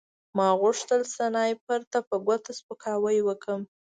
ما غوښتل سنایپر ته په ګوته سپکاوی وکړم